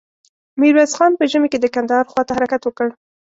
ميرويس خان په ژمې کې د کندهار خواته حرکت وکړ.